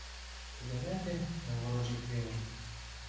Кулемети — на ворожі крила!